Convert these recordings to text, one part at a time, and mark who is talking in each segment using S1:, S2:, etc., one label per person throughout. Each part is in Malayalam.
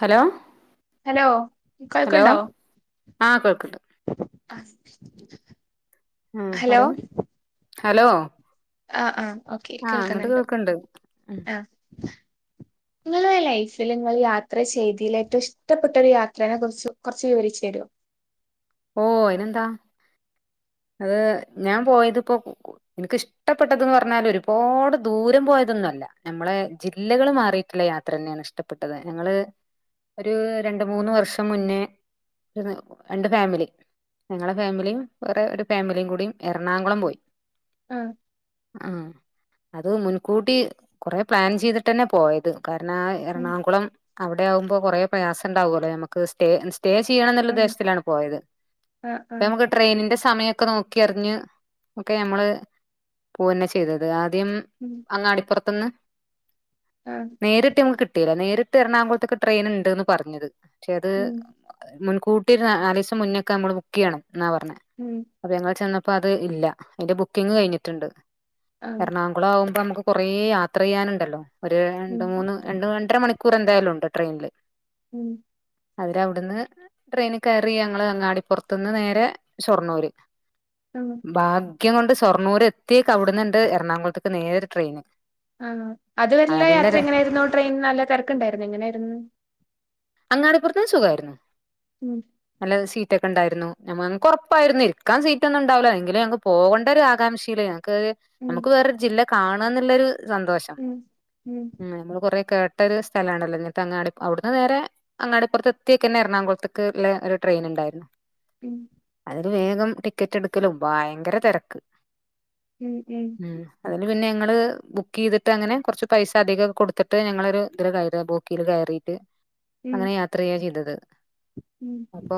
S1: ഹലോ
S2: ഹലോ
S1: ഹലോ
S2: കേൾക്ക്ണ്ടോ
S1: ആ കേൾക്ക്ണ്ട്
S2: [unintelligible]
S1: ആഹ് പറയൂ ഹലോ
S2: ആഹ് ആഹ് ഓക്കെ
S1: ആ അങ്ങട്ട്
S2: കേൾക്കുന്നുണ്ട്
S1: കേൾക്ക്ണ്ട്
S2: ആഹ് ഇങ്ങളെ ലൈഫില് ങ്ങള് യാത്ര ചെയ്തീലേറ്റവും ഇഷ്ടപ്പെട്ടൊരു യാത്രേനെ കുറിച്ച് കൊറച്ച് വിവരിച്ച് തര്വോ
S1: ഓ അയിനെന്താ അത് ഞാൻ പോയതിപ്പോ എനിക്കിഷ്ടപ്പെട്ടത് ന്ന് പറഞ്ഞാലൊരുപാട് ദൂരം പോയതൊന്നു അല്ല നമ്മളെ ജില്ലകള് മാറീട്ടിൽ ള്ള യാത്രന്നേണ് ഇഷ്ടപ്പെട്ടത് ഞങ്ങള് ഒരു രണ്ട് മൂന്ന് വർഷം മുന്നേ രണ്ട് ഫാമിലി ഞങ്ങളെ ഫാമിലീം വേറെ ഒരു ഫാമിലീം കൂടീം എറണാകുളം പോയി
S2: ആഹ്
S1: ആഹ് അത് മുൻകൂട്ടി കൊറേ പ്ലാൻ ചെയ്തിട്ടന്നെ പോയത് കാരണം
S2: ഉം
S1: എറണാകുളം അവടെയാവുമ്പോ കൊറേ പ്രയാസണ്ടാകുവല്ലോ ഞമ്മക്ക് സ്റ്റേ എൻസ് സ്റ്റേ ചെയ്യണം എന്നുള്ള
S2: ഉം
S1: ഉദ്ദേശത്തിലാണ് പോയത്
S2: ആ ആ
S1: പിന്നെ നമുക്ക് ട്രെയിനിന്റെ സമയൊക്കെ നോക്കിയറിഞ്ഞ് ഒക്കെ ഞമ്മള് പൂവന്നെ ചെയ്തത് ആദ് ദ്യം
S2: ഉം
S1: അങ്ങാടിപ്പൊറത്ത്ന്ന്
S2: ആ
S1: നേരിട്ട് ഞമ്മക്ക് കിട്ടീല നേരി ട്ടിട്ട് എറണാകുളത്തേക്ക് ട്രെയിന്ണ്ട്ന്ന് പറഞ്ഞത് ക്ഷേ അത്
S2: ഉം
S1: മുൻകൂട്ടിയൊര് നാ നാലീസം മുന്നെയൊക്ക് ക്കെ അമ്മള് ബുക്ക്ചെയ്യണം എന്നാ പറഞ്ഞേ
S2: ഉം
S1: അപ്പംമഞങ്ങള് ചെന്നപ്പോ അത് ഇല്ല അയിന്റ ബുക്കിംഗ് കഴിഞ്ഞിട്ട്ണ്ട്
S2: ആ
S1: എറണാകുളം ആവുമ്പോ നമ്മുക്ക് കൊറേ യാത്രെ ചെയ്യാനുണ്ടല്ലോ ഒരു രണ്ട്
S2: ഉം
S1: മൂന്ന് രണ്ട് രണ്ടര മണിക്കൂറെന്തായാലും ഉണ്ട് ട്രെയിനില്
S2: ഉം
S1: അതിലവിടുന്ന് ട്രെയിന് കേറി ഞങ്ങള് അങ്ങാടിപ്പൊറത്ത് ന്ന് നേരെ ഷൊർണ്ണൂര്
S2: ഉം
S1: ഭാഗ്യം കൊണ്ട് ഷൊർണൂര് എത്തീക്കവിടുന്ന്ണ്ട് എറണാകുളത്തേക്ക് നേരെ ട്രെയിന്
S2: ആഹ് അത് വരിയുള്ള
S1: നല്ല
S2: യാത്ര
S1: ര
S2: എങ്ങനേയിരുന്നു ട്രെയിൻ നല്ല തെരക്ക്ണ്ടായിരുന്നൊ എങ്ങനേയാരുന്നു
S1: അങ്ങാടി പുറത്തെ
S2: ഉം
S1: നല്ല സീറ്റ് ഒക്കെയുണ്ടായിരുന്നു ഞമ്മക്ക് ഉറപ്പായിരുന്നു ഇരിക്കൻ സീറ്റ് ഒന്നും ഉണ്ടാവില്ലാ എങ്കിലും ഞക്ക് പോകേണ്ട ഒരു ആാംക്ഷയിലാ ഞങ്ങ
S2: ഉം
S1: നമുക്ക് വേറ ജില്ല കാണാന്നുള്ളൊരു സന്തോഷം
S2: ഉം ഉം
S1: നമ്മള് കൊറേ കേ ട്ടൊരു സ്ഥലാണല്ലോ ഇങ്ങനത്തെ അങ്ങാടി അവിടുന്ന് നേരെ അങ്ങാടിപ്പുറത്തെ എത്തിയൊക്കെ തന്നെ എറണാകുളത്തേുള്ള ഒരു ട്രെയിൻ ഉണ്ടായിരുന്നു
S2: ഉം
S1: അയില് വേഗം ടിക്കറ്റ് എടുക്കലും ഭയങ്കര തിരക്ക്
S2: ഉം ഉം
S1: അത് പിന്നെ ഞങ്ങള് ബുക്ക് ചെയ്തിട്ട് അങ്ങനെ കുറച്ച് പൈസ അധികം കൊടുത്തിട്ട് ഞങ്ങള് ഒരു ഇതില് കയറി ബോഗീൽ കയറി
S2: ഉം
S1: അങ്ങനെ യാത്ര ചെയ്യാ ചെയ്തത്
S2: ഉം
S1: അപ്പൊ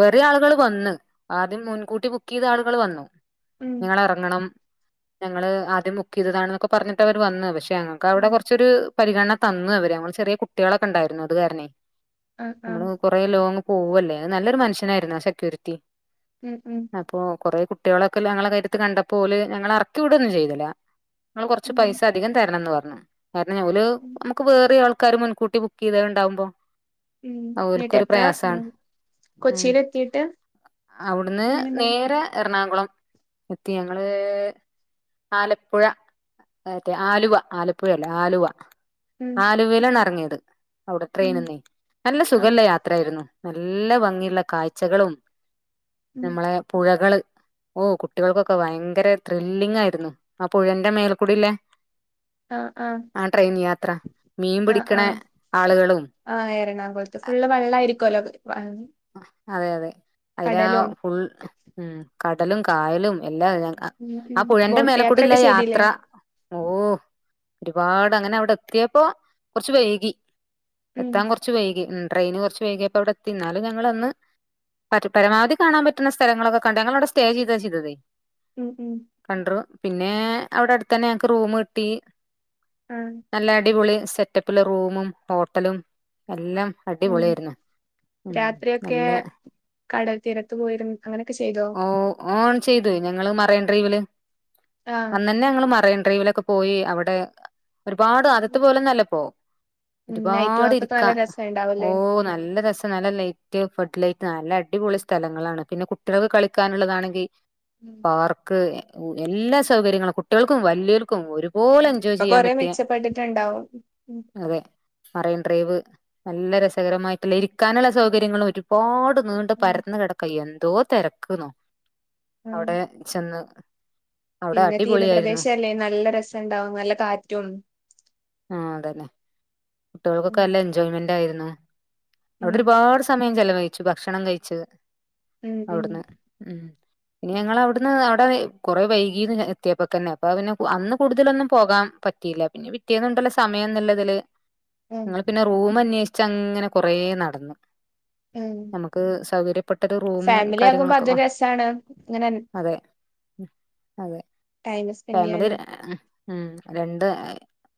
S1: വേറെ ആളുകൾ വന്ന് ആദ്യം മുൻകൂട്ടി ബുക്ക് ചെയ്ത ആളുകൾ വന്നു
S2: ഉം
S1: നിങ്ങള് ഇറങ്ങണം ഞങ്ങള് ആദ്യം ബുക്ക് ചെയ്തതാണ് എന്നൊക്കെ പറഞ്ഞിട്ട് അവര് വന്നു പക്ഷെ ഞങ്ങൾക്ക് അവിടെ
S2: ഉം
S1: കുറച്ചൊരു പരിഗണന തന്നു അവര് നമ്മള് ചെറിയ കുട്ടികളൊക്കെ ഉണ്ടായിരുന്നു അതുകാരണെ
S2: ആ ആ
S1: നമ്മള് കൊറേ ലോങ്ങ്‌ പോവല്ലേ നല്ലൊരു മനുഷ്യനായിരുന്നു സെക്യൂരിറ്റി
S2: ഉം ഉം
S1: അപ്പൊ കൊറെ കുട്ടി കുട്ടികളൊക്കെ ഞങ്ങളെ കയത്ത് കണ്ടപ്പോല് ഞങ്ങളെ ഇറക്കിവിടുവൊന്നും ചെയ്തില്ല നൾ കൊറച്ച്
S2: ഉം
S1: പൈസ അധികം തരണംന്ന് പറഞ്ഞു കാരണം ഓൽ
S2: ഉം
S1: നമ്മുക്ക് വേറെ ആൾക്ക് ൾക്കാർ മുൻകൂട്ടി ബുക്ക് ചെയ്തത് ഉണ്ടാവുമ്പോ
S2: ഉം എന്നിട്ട്
S1: അവലക്കൊരു
S2: എപ്പഴാ ഉം
S1: പ്രയാസമാണ് ഉം
S2: കൊച്ചിയിൽ എത്തിയിട്ട്
S1: അവിടുന്ന്
S2: എങ്ങനെണ്ടായിരുന്നു
S1: നേരെ എറണാകുളം എത്തി ഞങ്ങള് ആലപ്പുഴ മറ്റേ ആലുവ ആലപ്പുഴ അല്ലേ ആലുവ
S2: ഉം
S1: ആലുവയിലാണ് ഇറങ്ങിയത് അവിടെ
S2: ഉം
S1: ട്രെയിൻന്നീ നല്ല
S2: ആ
S1: സുഖമല്ല യാത്ര ആായിരുന്നു നല്ല ഭംഗി കാഴ്ചകളും
S2: ഉം
S1: നമ്മളെ പുഴകൾ ഓ കുട്ടികൾക്കൊക്കെ ഭയങ്കര ത്രില്ലിങ് ആയിരുന്നു ആ പുഴെൻറ മേൽക്കൂടില്ലേ
S2: ആ ആ
S1: ആഹ ട്രെയിൻ യാത്ര മീൻ
S2: ആ
S1: പിടിക്കണ
S2: ആഹ
S1: ആളുകളും
S2: ആ എറണാകുളത്ത് ഫുള്ള് വെള്ള ആരിക്കുമല്ലോ
S1: അതെ അതെ അതില ഫുൾ ഉം കടലും കായലും എല്ലാ ഞ
S2: ഉം
S1: ആ
S2: ഉം
S1: പുഴന്റെ
S2: ബോട്ട്
S1: മേലെക്കൂടല്ല
S2: യാത്രയൊക്കെ ചെയ്തില്ലേ
S1: യാത്ര ഓ ഒരുപാട് അങ്ങനെ അവിടെ എത്തിയപ്പോ കുറച്ച് വൈകി
S2: ഉം
S1: എത്താൻ കുറച്ച് വൈകി ഉം ടെയിന് കുറച്ച് വകിയപ്പോ അവിടെ എത്തി ന്നൽ ഞങ്ങള അന്ന് പരമാവധി കാണാൻ പറ്റുന്ന സ്ഥലങ്ങളൊക്കെ കണ്ട ഞങ്ങള അവിടെ സ്റ്റേ ചെയ്തതേ
S2: ഉം ഉം
S1: കണ്ടു പിന്നെ അവിടെ അടുത്ത തന്നെ ഞങ്ങക്ക് റൂം കിട്ടി
S2: ആ
S1: നല്ല അടിപൊളി സെറ്റപ്പിലെ റൂമും ഹോട്ടലും എല്ലാം
S2: ഉം
S1: അടിപൊളിയായിരുന്നു
S2: രാത്രിയൊക്കെ
S1: നല്ല ഉം
S2: കടൽ തീരത്ത് പോയിരുന്നു അങ്ങനെയൊക്കെ ചെയ്തോ
S1: ഓ ഓൺ ചെയ്തു ഞങ്ങളും മറയൻ ഡ്രൈവില്
S2: ആ
S1: അന്ന ന്നെ ഞങ്ങൾ മറയൻ ഡ്രൈവിലൊക്കെ പോയി അവിടെ ഒരുപാട് അതത്തെ പോലെ നല്ലപ്പോ
S2: ഉം നൈറ്റ്
S1: ഒരുപാട്
S2: വാക്കൊക്കെ
S1: ഇരിക്കാ
S2: നല്ല
S1: ഓ
S2: രസണ്ടാവൂല്ലേ
S1: നല്ല രസ ലൈറ്റ് ഫഡ് ലൈറ്റ് നല്ല അടിപൊളി സ്ഥലങ്ങളാണ് പിന്നെ കുട്ടികൾക്ക് കളിക്കാനുള്ളതാണെങ്കിൽ
S2: ഉം
S1: പാർക്ക് എല്ലാ സൗകര്യങ്ങളും കുട്ടികൾക്കും വല്ലിയോർക്കും ഒരു പോലെ
S2: ഉം
S1: എൻജോയ്
S2: ഇപ്പൊ
S1: ചെയ്യാൻ
S2: കൊറേ
S1: പറ്റിയ
S2: മെച്ചപ്പെട്ടിട്ടുണ്ടാവും ഉം
S1: അതെ പറയ വ് നല്ല രസകരമായിട്ടുള്ള ഇരിക്കാനുള്ള സൗകര്യങ്ങളും ഒരുപാട് നീണ്ട
S2: ഉം
S1: പരന്ന് കിടക്കാ എന്തോ തിരക്കന്നോ
S2: ഉം
S1: അവിടെ ചെന്ന് അവിടെ
S2: പിന്നെ തീരപ്രദേശ
S1: അടിപൊളിയായിരുന്നു
S2: അല്ലേ നല്ല രസുണ്ടാവും നല്ല കാറ്റും
S1: ആ അതന്നെ
S2: ഉം
S1: കുട്ടികൾക്കൊക്കെ നല്ല എൻജോയ്മെന്റ് ആയിരുന്നു
S2: ഉം
S1: അവിടെ ഒരുപാട് സമയം കഴിച്ചു ഭക്ഷണം കഴിച്ചത്
S2: ഉം ഉം
S1: അവിടുന്ന് ഉ പിന്നെ ഞങ്ങൾ അവിടുന്ന് അവിടെ കുറെ വൈകീന്ന് എത്തിയപ്പ തന്നെ അപ്പ പിന്നെ അന്ന് കൂടുതലൊന്നും പോകാം പറ്റിയില്ല പിന്നെ പിറ്റിയന്നണ്ടല്ലോ സമയംന്നല്ല ഇതില്
S2: ഉം
S1: നിങ്ങള് പിന്നെ റൂമ അന്വേഷിച്ച അങ്ങനെ കൊറ നടന്നു
S2: ഉം
S1: നമുക്ക് സൗകര്യം തൊട്ടത്ത് ഒരു റൂമും
S2: ഫാമിലി ആകുമ്പോ
S1: കാര്യങ്ങളൊക്കെ
S2: അതൊരു
S1: കാണും
S2: രസാണ് ഇങ്ങനെ
S1: അതെ അതെ
S2: ടൈം സ്പെൻഡ്
S1: ഫാമിലി
S2: ചെയ്യാനും
S1: ഉം രണ്ട്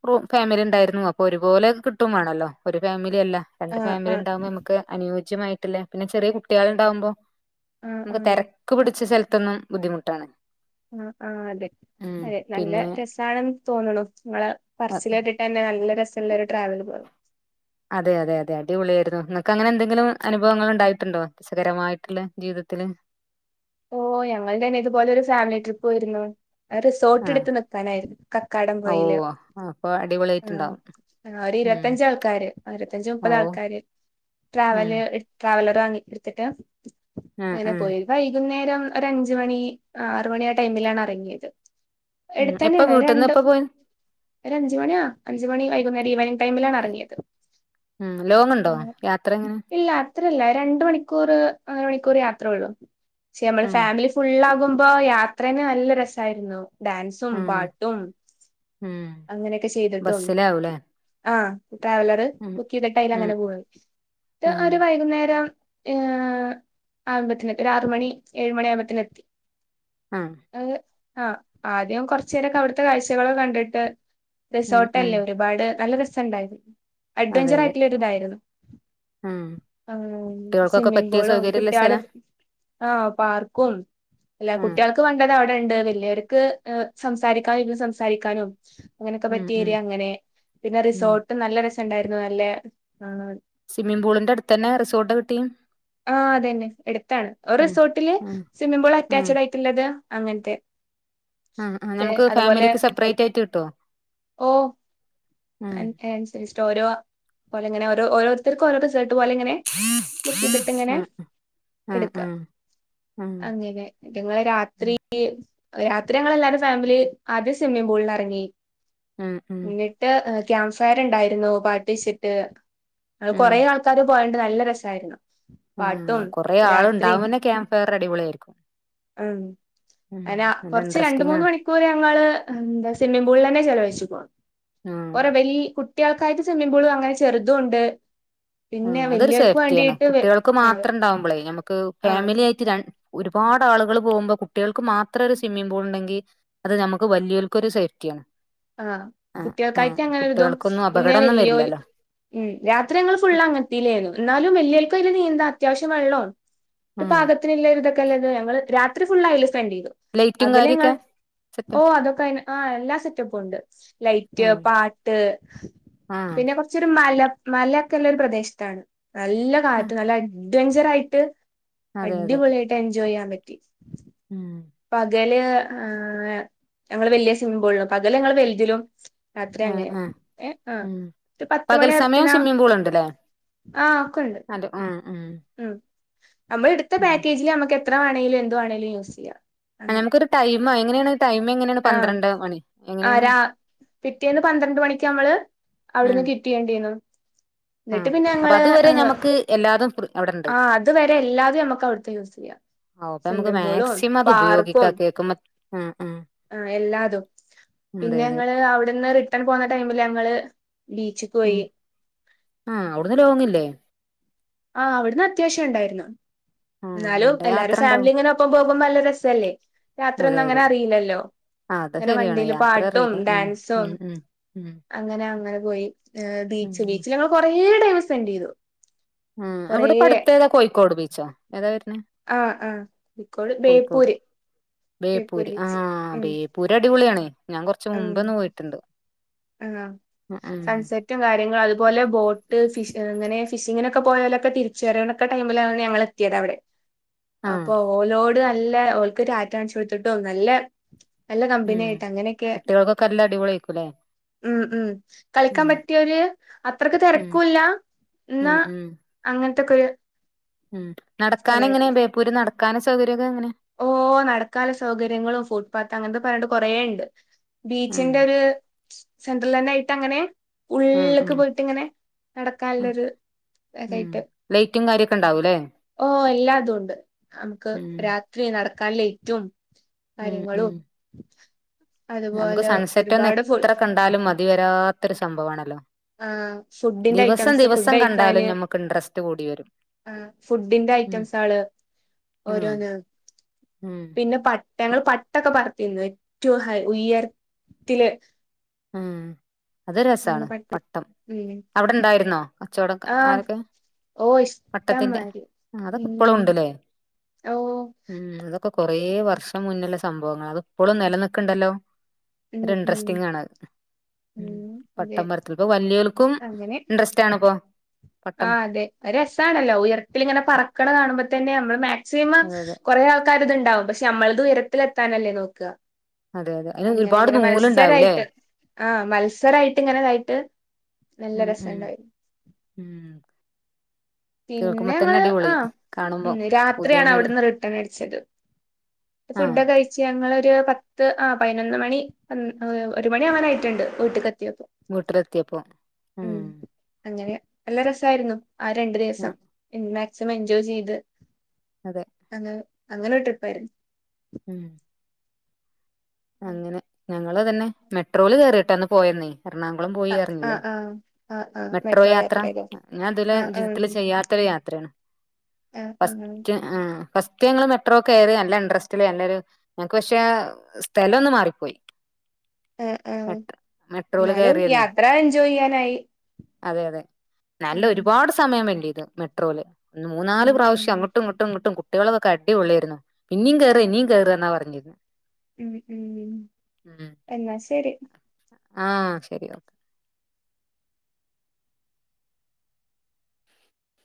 S1: റു ഫാമിലി ഉണ്ടായിരുന്നു അപ്പൊ ഒരുപോലെ കിട്ടും വേണല്ലോ ഒരു ഫാമിലി അല്ല രണ്ട്
S2: ആഹ്
S1: ഫാമിലി
S2: ആഹ്
S1: ഉണ്ടാവുമ്പം നമുക്ക് അനുയോജ്യമായിട്ടുള്ള പിന്നെ ചെറിയ കുട്ടികൾ ഉണ്ടാവുമ്പം
S2: ആഹ്
S1: നമുക്ക്
S2: ആഹ്
S1: തെരക്ക് പിടിച്ച സ്ഥലത്തൊന്നും ബുദ്ധിമുട്ടാണ്
S2: ആഹ് ആഹ് അതെ
S1: ഉം
S2: അതെ നല്ല
S1: പിന്നെ
S2: രസാണെന്ന് തോന്നണു നിങ്ങളെ
S1: അ-
S2: പറച്ചില് കേട്ടിട്ട് തന്നെ നല്ല രസ് രസമുള്ളൊരു ട്രാവല് പോണം
S1: അതെ അതെ അതെ അടിപൊളിയായിരുന്നു നിങ്ങക്ക് അങ്ങനെ എന്തെങ്കിലും അനുഭവങ്ങൾ ഉണ്ടായിട്ടുണ്ടോ രസകരമായിട്ടുള്ള ജീവിതത്തില്
S2: ഓ ഞങ്ങള് തന്നെ ഇതുപോലെ ഒരു ഫാമിലി ട്രിപ്പ് പോയിരുന്നു റിസോർട്ട്
S1: ആഹ്
S2: എടുത്ത് നിക്കാനായിരുന്നു കക്കാടം
S1: ഓ
S2: പൊയില്
S1: അപ്പൊ
S2: ആഹ്
S1: അടിപൊളിയായിട്ടുണ്ടാവും
S2: ആഹ് ഒരു
S1: ഉം
S2: ഇരുപത്തഞ്ചാൾക്കാര് ഇരുപത്തഞ്ച്
S1: ഓ
S2: മുപ്പത് ആൾക്കാര്
S1: ഉം
S2: ട്രാവല് ട്രാവലറ് അങ്ങ് എടുത്തിട്ട്
S1: ആഹ്
S2: അങ്ങനെ
S1: ആഹ്
S2: പോയി വ വൈകുന്നേരം ഒര് അഞ്ചുമണി ആറ് മണി ആ ടൈമിലാണ് ഇറങ്ങിയത്
S1: ഉം
S2: എടുത്ത്
S1: എപ്പ
S2: തന്നെയാണ്
S1: വീട്ടിൽന്ന്
S2: രണ്ട്
S1: എപ്പ പോയി
S2: ഒര് അഞ്ച് മണിയാ അഞ്ച് മണി വൈകുന്നേരം ഈവനിംഗ് ടൈമിലാണ് ഇറങ്ങിയത്
S1: ഉം ലോങ് ഉണ്ടോ യാത്ര എങ്ങനെ
S2: ഇല്ല അത്രയില്ല രണ്ട് മണിക്കൂർ അര മണിക്കൂർ യാത്രേയുള്ളൂ പക്ഷെ നമ്മള്
S1: ഉം
S2: ഫാമിലി ഫുള്ളാകും ഇപ്പൊ യാത്രേന് നല്ല രസായിരുന്നു ഡാൻസും
S1: ഉം
S2: പാട്ടും
S1: ഉം
S2: അങ്ങനെയൊക്കെ ചെയ്തിട്ടും
S1: ബസ്സിലാവൂലേ
S2: ആഹ് ട്രാവലറ്
S1: ഉം
S2: ബുക്ക് ചെയ്തിട്ട് അതിൽ
S1: ഉം
S2: അങ്ങനെ പോയി എന്നിട്ട്
S1: ഉം
S2: ഒരു വൈകുന്നേരം ഏഹ് ആവുമ്പത്തേന് ഒര് ആറു മണി ഏഴ് മണി ആകുമ്പത്തേന് എത്തി
S1: ആഹ്
S2: അത് ആഹ് ആദ്യം കൊറച്ച് നേരൊക്കെ അവിടുത്തെ കാഴ്ചകള് കണ്ടിട്ട്
S1: ഉം
S2: റിസോർട്ട്
S1: ഉം
S2: അല്ലേ ഒരുപാട് നല്ല രസമുണ്ടായിരുന്നു
S1: അതെ
S2: അഡ്വഞ്ചർ
S1: അതെ
S2: ആയിട്ടുള്ള ഒര് ഇതായിരുന്നു
S1: ഉം
S2: ആഹ്
S1: കുട്ടികൾക്കൊക്കെ
S2: സ്വിമിംഗ്
S1: പറ്റിയ
S2: പൂളും
S1: സൗകര്യള്ള സ്ഥലാ
S2: കുട്ടികളും ആഹ് പാർക്കും എല്ലാം
S1: ഉം
S2: കുട്ടികൾക്ക് വേണ്ടത് അവിടെ ഉണ്ട് വെ വല്യോർക്ക് സംസാരിക്കാനും ഇരുന്ന് സംസാരിക്കാനും അങ്ങനെയൊക്കെ
S1: ഉം
S2: പറ്റിയ
S1: ഉം
S2: ഏരിയ അങ്ങനെ പിന്നെ
S1: ഉം
S2: റിസോർട്ടും നല്ല രസം ഉണ്ടായിരുന്നു നല്ലെ ആഹ്
S1: സ്വിമ്മിംഗ് പൂളിന്റെ അടുത്ത് തന്നെ റിസോർട്ട് കിട്ടി
S2: ആഹ് അതന്നെ അടുത്താണ് ഒരു
S1: ഉം
S2: റിസോർട്ടില്
S1: ഉം
S2: സ്വിമ്മിംഗ് പൂൾ അറ്റാച്ചഡ് ആയിട്ടുള്ളതാ അങ്ങനത്തെ
S1: ആഹ് ആഹ് നമുക്ക്
S2: അതുപോലെ
S1: ഫാമിലിക്ക് സെപ്പറേറ്റ് ആയിട്ട് കിട്ടോ
S2: ഓ
S1: ഉം
S2: [unintelligible] ഓരോ പോലെങ്ങനെ ഓരോ ഓരോരുത്തർക്ക് ഓരോ റിസോർട്ട് പോലിങ്ങനെ ഇതിട്ടിങ്ങനെ
S1: ഉം ഉം
S2: എടുക്കാ
S1: ഉം ഉം
S2: അങ്ങനെ ഞങ്ങള് രാത്രി രാത്രി ഞങ്ങളെല്ലാരും ഫാമിലി ആദ്യം സ്വിമ്മിംഗ് പൂളിൽ ഇറങ്ങി
S1: ഉം ഉം ഉം
S2: എന്നിട്ട് ക്യാമ്പ് ഫയർ ഉണ്ടായിരുന്നു പാട്ട് വെച്ചിട്ട് അത് കൊറേ ആൾക്കാര് പോയോണ്ട് നല്ല രസമായിരുന്നു
S1: ഉം കൊറേ ആള് ഉണ്ടാവുന്നെ ക്യാമ്പ് ഫയറ് അടിപൊളി ആയിരിക്കും
S2: ഉം അയിന് കുറച്ച് രണ്ട്
S1: ഇൻട്രസ്റ്റിംഗ്
S2: മൂന്ന്
S1: ആണ്
S2: മണിക്കൂറ് ഞങ്ങള് എന്താ സ്വിമ്മിംഗ് പൂളിൽ തന്നെ ചെലവഴിച്ചു പോണ്
S1: ആഹ്
S2: ഓറെ വലിയ കുട്ടികൾക്കായിട്ട് സ്വിമ്മിംഗ് പൂളും അങ്ങനെ ചെറുതും ഉണ്ട് പിന്നെ
S1: ആഹ് അതൊരു
S2: വലിയവർക്ക് വേണ്ടി
S1: സേഫ്റ്റിയാണ് കുട്ടികൾക്ക് മാത്രം ഉണ്ടാവുമ്പോളേ നമുക്ക്
S2: ആ
S1: ഫാമിലി ആയിട്ട് ര ഒരുപാട് ആളുകൾ പോകുമ്പം കുട്ടികൾക്ക് മാത്രം ഒരു സ്വിമ്മിഗ് പൂൾ ഉണ്ടെങ്കിൽ അത് നമുക്ക് വലിയവർക്കൊരു സേഫ്റ്റിയാണ്
S2: ആഹ്
S1: ആഹ് ആഹ്
S2: കുട്ടികൾക്കായിട്ട് അങ്ങനൊരിതും
S1: കുട്ടികൾക്കൊന്നും
S2: പിന്നെ
S1: അപകടൊന്നും
S2: വല്യോര്
S1: വരില്ലല്ലോ
S2: ഉം രാത്രി അങ്ങള് ഫു അങ്ങനതേലെ ഉള്ളു എന്നാലും വല്ല്യവർക്ക് അതില് നീന്താം അത്യാവശം വെള്ളം ഉണ്ട്
S1: ഉം
S2: [unintelligible] [unintelligible] ഞങ്ങള് രാത്രി ഫുള്ള് അതില് സ്പെന്റ് ചെയ്തു
S1: ലൈറ്റും
S2: അതില് ഞങ്ങള്
S1: കാര്യൊക്കെ സെറ്റ്
S2: ഓ അതൊക്കെ അയിന് ആഹ് എല്ലാ സെറ്റപ്പും ഉണ്ട് ലൈറ്റ്
S1: ഉം
S2: പാട്ട്
S1: ആഹ്
S2: പിന്നെ കുറച്ച് ഒരു മല മല ഒക്കെയുള്ള ഒരു പ്രദേശത്താണ് നല്ല
S1: ആഹ്
S2: കാറ്റും നല്ല അഡ്വെഞ്ചർ ആയിട്ട്
S1: അതെ അതെ
S2: അടിപൊളിയായിട്ട് എൻജോയ് ചെയ്യാൻ പറ്റി
S1: ഉം
S2: പകല് ഞങ്ങള് വലിയ സ്വിമ്മിംഗ് പൂളിലും പകല് ഞങ്ങള് വലുതിലും രാത്രി
S1: ആഹ്
S2: അങ്ങനെ
S1: ആഹ്
S2: ഏ ആ
S1: ഉം
S2: ഒരു പത്ത്
S1: പകൽ
S2: മണി
S1: സമയം
S2: ആയപ്പോത്തേന്
S1: സ്വിമ്മിംഗ് പൂൾ ഉണ്ടല്ലേ
S2: ആഹ് ഒക്കെണ്ട്
S1: ആം
S2: നമ്മൾ എടുത്ത പാക്കേജില് നമുക്ക് എത്ര വേണെേങ്കിലും എന്ത്‌ വേണേങ്കിലും യൂസ് ചെയ്യാം
S1: ആ
S2: അങ്ങനെ
S1: നമുക്കൊരു ടൈം എങ്ങനെയാണ് ടൈമ് എങ്ങനെയാണ് പന്ത്രണ്ട് മണി
S2: ആ
S1: എങ്ങനെയാണ്
S2: രാ പിറ്റേന്ന് പന്ത്രണ്ട് മണിക്ക് നമ്മള് അവിടുന്ന് കിറ്റ് ചെയേണ്ടിവന്നു
S1: ആ അപ്പൊ അതുവരെ നമ്മുക്ക് എല്ലാതും അവിടെണ്ട്
S2: ആഹ് അതുവരെ എല്ലാതും നമുക്ക് അവിടുത്തെ യൂസ് ചെയ്യാം
S1: ഓ അപ്പ നമുക്ക്
S2: സ്വിമ്മിംഗ് പൂളും
S1: മാക്സിമം അത് ഉപയോഗിക്കാം കേൾക്കുമ്പ ഉം ഉം
S2: ആ എല്ലാതും പിന്നെ
S1: അതെ
S2: ഞങ്ങള് അവിടുന്ന് റിട്ടേൺ പോകുന്ന ടൈമില് ഞങ്ങള് ബീച്ച്ക്ക്
S1: ഉം
S2: പോയി
S1: ആഹ് അവിടുന്ന് ലോങ്ങില്ലേ?
S2: ആഹ് അവിടുന്ന് അത്യാവശ്യം ഉണ്ടായിരുന്നു
S1: ആഹ്
S2: എന്നാലും
S1: നല്ല
S2: എല്ലാരും
S1: യാത്ര
S2: ഫാമിലി
S1: ഉണ്ടാവും
S2: ഇങ്ങനെ ഒപ്പം പോകുമ്പം നല്ല രസല്ലേ രാത്രി
S1: അതെ
S2: ഒന്നും അങ്ങനെ
S1: അതെ
S2: അറിയില്ലല്ലോ
S1: ആഹ് അത്
S2: അങ്ങനെ
S1: ശരിയാണ്
S2: വണ്ടിയില്
S1: യാത്ര
S2: പാട്ടും
S1: അറിയില്ല ഉം
S2: ഡാൻസും
S1: ഉം ഉം ഉം
S2: അങ്ങനെ അങ്ങനെ പോയി ബീച്ച്
S1: ഉം
S2: ബീച്ചിൽ ഞങ്ങൾ കൊറേ ടൈം സ്പെൻഡ് ചെയ്തു
S1: ആ
S2: കൊറേ
S1: അവിടെ അടുത്തേതാ കോഴിക്കോട് ബീച്ചോ ഏതാ വരുന്നേ
S2: ആഹ് ആഹ് കോഴിക്കോട്
S1: കോഴിക്കോട്
S2: ബേപ്പൂര്
S1: ബേപ്പൂര് ആ
S2: ബീച്ച് ഉം
S1: ബേപ്പൂര് അടിപൊളിയാണേ ഞാൻ കൊറച്ച് മുമ്പേ ഒന്ന് പോയിട്ടുണ്ട്
S2: ആ
S1: ഉം ഉം
S2: സൺസെറ്റും കാര്യങ്ങളും അതുപോലെ ബോട്ട് ഫിഷ് അങ്ങനെ ഫിഷിങ്ങിനൊക്കെ പോയാലൊക്കെ തിരിച്ച് വരവിനൊക്കെ ടൈമിലാണ് ഞങ്ങൾ എത്തിയത് അവിടെ
S1: ആഹ്
S2: അപ്പൊ ഓലോട് നല്ല ഓൽക്ക് റ്റാറ്റാ കാണിച്ചുകൊടുത്തിട്ടും നല്ല നല്ല
S1: ഉം
S2: കമ്പനിയായിട്ട് അങ്ങനെയൊക്കെ
S1: കുട്ടികൾക്കൊക്കെ നല്ല അടിപൊളിയായിരിക്കൂല്ലേ
S2: ഉം ഉം കളിക്കാൻ
S1: ഉം
S2: പറ്റിയവര് അത്രക്ക്
S1: ഉം
S2: തിരക്കുംല്ല
S1: ഉം
S2: എന്നാ
S1: ഉം
S2: അങ്ങനത്തൊക്കെ ഒരു
S1: ഉം നടക്കാന്
S2: സ്ഥലായിരുന്നു
S1: എങ്ങനെയാ ബേപ്പൂര് നടക്കാന് സൗകര്യൊക്കെ എങ്ങനെയ?
S2: ഓ നടക്കാല് സൗകര്യങ്ങളും ഫുട്പാത്ത് അങ്ങനത്തെ പറഞ്ഞോണ്ട് കുറേയുണ്ട്
S1: ഉം
S2: ബീച്ചിന്റെ ഒരു സെന്ററിൽ തന്നെ ആയിട്ട് അങ്ങനെ?
S1: ഉം
S2: ഉള്ള്ക്ക്
S1: ഉം
S2: പോയിട്ട് ഇങ്ങനെ
S1: ഉം
S2: നടക്കാനുള്ളൊരു
S1: ഉം
S2: ഇതായിട്ട്
S1: ലൈറ്റും കാര്യൊക്കെ ഉണ്ടാവൂല്ലേ
S2: ഓ എല്ലാതും ഉണ്ട് നമുക്ക്
S1: ഉം
S2: രാത്രി നടക്കൻ ലൈറ്റും
S1: ഉം ഉം
S2: കാര്യങ്ങളും
S1: നമുക്ക്
S2: അതുപോലെ
S1: സൺസെറ്റ് ഒന്നും
S2: ഒരുപാട് ഫു
S1: എത്ര കണ്ടാലും മതിവരാത്തൊരു സംഭവമാണല്ലോ
S2: ആഹ് ഫുഡിന്റെ
S1: ദിവസം
S2: ഐറ്റംസ് ഫുഡ്
S1: ദിവസം കണ്ടാലും നമ്മുക്ക് ഇൻട്രസ്റ്റ് കൂടി വരും
S2: ആ ഫുഡിന്റെ
S1: ഉം
S2: ഐറ്റംസ് ആള്
S1: ഉം
S2: ഓരോന്ന്
S1: ഉം
S2: പിന്നെ പട്ട ഞങ്ങള് പട്ടൊക്കെ പറത്തി ഏറ്റവും ഉയരത്തില്
S1: ഉം അത്
S2: ഇങ്ങനെ
S1: രസമാണ്
S2: പട്ട
S1: പട്ടം
S2: ഉം
S1: അവിടെ ഉണ്ടായിരുന്നോ കച്ചവടം
S2: ആഹ്
S1: ആരൊക്കെ
S2: ഓ ഇഷ്ടം
S1: പട്ടത്തിന്റെ
S2: മാരി
S1: അതൊക്കെ ഇപ്പളും
S2: ഉം
S1: ഉണ്ടല്ലേ
S2: ഓ
S1: ഉം അതൊക്കെ കൊറേ വർഷം മുന്നുള്ള സംഭവങ്ങളാ അതിപ്പോളും നിലനിൽക്കുണ്ടല്ലോ
S2: ഉം
S1: ഒരു
S2: ഉം
S1: ഇൻറ്രസ്റ്റിംഗ് ആണ് ഉം പട്ടം പറത്തല് ഇപ്പം വലിയികൾക്കും ഇൻട്രസ്റ്റ് ആണിപ്പൊ
S2: ആഹ് അതെ രസാണല്ലോ ഉയരത്തിലിങ്ങനെ പറക്കണ കാണുമ്പോ തന്നെ നമ്മൾ മാ മാക്സിമം
S1: അതെ അതെ
S2: കുറേ ആൾക്കാര് ഇതുണ്ടാവും പക്ഷെ നമ്മളത് ഉയരത്തിലെത്താനല്ലേ നോക്കുക
S1: അതെ അതെ അതിന് ഒരുപാട്
S2: അങ്ങനെങ്ങനെ
S1: നൂലുണ്ടാവൂല്ലേ
S2: മത്സരായിട്ട് ആഹ് മത്സരായിട്ട് ഇങ്ങനെതായിട്ട് നല്ല
S1: ഉം
S2: രസം
S1: ഉം
S2: ഉണ്ടായിരുന്നു
S1: ഉം
S2: പിന്നെ
S1: കേൾക്കുമ്പോ തന്നെ
S2: ഞങ്ങള് ആ
S1: അടിപൊളി
S2: ഉം
S1: കാണുമ്പോ
S2: രാത്രിയാണ്
S1: പൂതിയാണൊരു
S2: അവിടുന്ന് റിട്ടേൺ അടിച്ചത് ഫുഡ്
S1: ആഹ്
S2: ഒക്കെ കഴിച്ചാ ഞങ്ങളൊരു പത്ത് ആ പതിനൊന്ന് മണി ഒരു മണി ആവാനായിട്ടുണ്ട് വീട്ട്ക്ക് എത്തീപ്പോ
S1: വീട്ടിലെത്തിയപ്പോ
S2: ഉം അങ്ങനെ. നല്ല രസായിരുന്നു ആ രണ്ടു ദിവസം,
S1: ഉം
S2: മാക്സിമം എൻജോയ് ചെയ്ത്
S1: അതെ
S2: അത് അങ്ങനെയൊരു ട്രിപ്പായിരുന്നു.
S1: ഉം അങ്ങനെ ഞങ്ങള് തന്നെ മെട്രോല് കേറിയിട്ടന്ന് പോയന്നേ എറണാകുളം പോയി
S2: ആ ആ
S1: ഇറങ്ങില്ലേ.
S2: ആ ആ ആ
S1: മെട്രോ യാത്ര
S2: യാത്രയിലോ
S1: ഞാൻ ഇതില്
S2: ആ ആ
S1: ജീവിതത്തില് ചെയ്യാത്തൊരു യാത്രയാണ്.
S2: ആ ആ
S1: ഫസ്റ്റ്‌ ആ ഫസ്റ്റ് കൃത്യം ഞങ്ങള് മെട്രോ കയറി നല്ല ഇൻട്രസ്റ്റില് എല്ലാരും ഞങ്ങക്ക് പക്ഷേ സ്ഥലം ഒന്ന് മാറിപ്പോയി
S2: ഉം ഉം
S1: മെട്രോ മെട്രോല്
S2: എന്നാലും
S1: കയറിയതേ
S2: യാത്രാ എൻജോയ് ചെയ്യാനായി.
S1: അതെ അതെ നല്ല
S2: ഉം
S1: ഒരുപാട് സമയം സ്‌പെൻഡ് ചെയ്തു മെട്രോയില്. ന്ന് മൂന്നാലു
S2: ഉം
S1: പ്രാവശ്യം
S2: ഉം
S1: അങ്ങോട്ടും ഇങ്ങട്ടും ഇങ്ങട്ടും കുട്ടികളൊക്കെയടിപൊളിയായിരുന്നു. ഇന്നിം
S2: ആ
S1: കേറ് ഇന്നിം കേറ് എന്നാ പറഞ്ഞത്.
S2: ഉം ഉം എന്നാ ശെരി.
S1: ആ ശെരി ഓക്കെ.